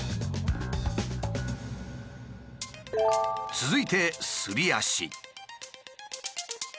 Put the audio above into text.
続いてすり足。